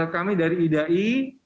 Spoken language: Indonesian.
kami dari idai